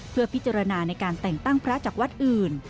เพื่อพิจารณาในการแต่งตั้งพระจากวัดอื่น